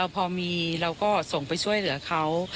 พอมีเราก็ส่งไปช่วยเหลือเขา